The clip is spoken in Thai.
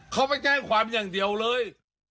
เขาไปแจ้งความอย่างเดียวเลย